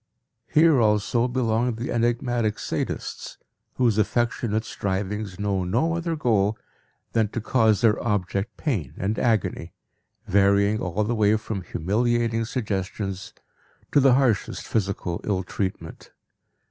Here also belong the enigmatic sadists, whose affectionate strivings know no other goal than to cause their object pain and agony, varying all the way from humiliating suggestions to the harshest physical ill treatment.